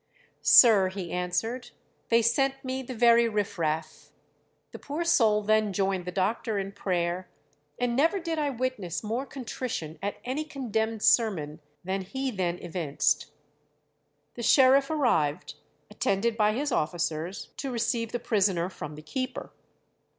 'Sir,' he answered, 'they sent me the very riff raff.' The poor soul then joined the doctor in prayer, and never did I witness more contrition at any condemned sermon than he then evinced. The sheriff arrived, attended by his officers, to receive the prisoner from the keeper.